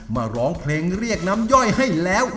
มาร้องเพลงเรียกน้ำย่อยให้แล้ว